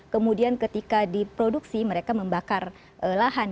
kemudian ketika diproduksi mereka membakar lahan